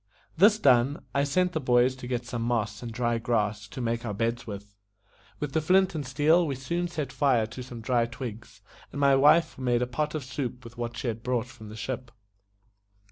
This done, I sent the boys to get some moss and dry grass to make our beds with. With the flint and steel we soon set fire to some dry twigs, and my wife made a pot of soup with what she had brought from the ship.